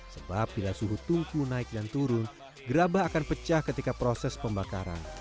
sebab bila suhu tungku naik dan turun gerabah akan pecah ketika proses pembakaran